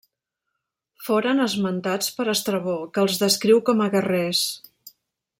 Foren esmentats per Estrabó que els descriu com a guerrers.